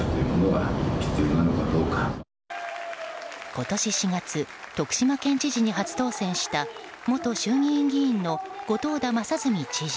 今年４月徳島県知事に初当選した元衆議院議員の後藤田正純知事。